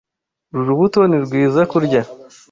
Uru rubuto ni rwiza kurya.